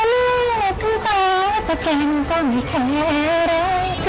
เรียกทั้งตาจะแก่มึงก็ไม่แค่อะไร